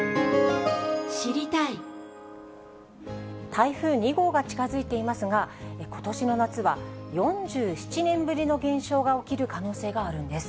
台風２号が近づいていますが、ことしの夏は４７年ぶりの現象が起きる可能性があるんです。